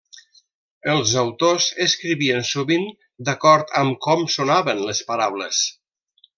Els autors escrivien sovint d'acord amb com sonaven les paraules.